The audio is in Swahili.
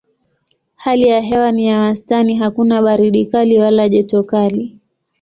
Hali ya hewa ni ya wastani hakuna baridi kali wala joto kali.